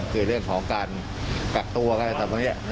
คือเรื่องของการกักตัวกันกไปต่อพังเทปนี้